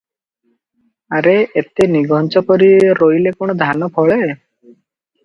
ଆରେ, ଏତେ ନିଘଞ୍ଚ କରି ରୋଇଲେ କଣ ଧାନ ଫଳେ?